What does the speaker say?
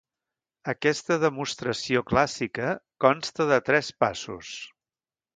Aquesta demostració clàssica consta de tres passos.